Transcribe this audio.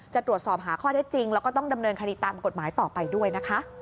จะตรวจสอบหาข้อเท็จจริงแล้วก็ต้องดำเนินคดีตามกฎหมายต่อไปด้วยนะคะ